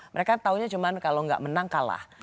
mereka taunya cuma kalau nggak menang kalah